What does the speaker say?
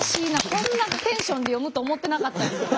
こんなテンションで読むと思ってなかったんで。